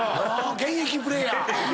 現役プレーヤー。